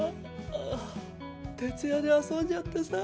徹夜で遊んじゃってさ。